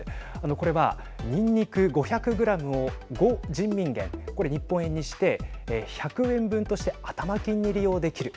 これは、にんにく５００グラムを５人民元これ日本円にして１００円分として頭金に利用できる。